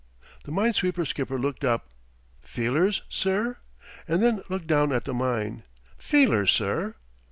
The mine sweeper skipper looked up "Feelers, sir?" and then looked down at the mine. "Feelers, sir?